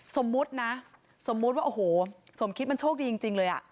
สมมุตินะสมมุติว่าโอ้โหสมคิดมันโชคดีจริงเลย